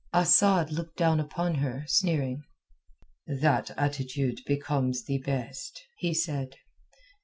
Asad looked down upon her, sneering. "That attitude becomes thee best," he said.